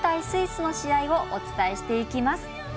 スイスの試合をお伝えしていきます。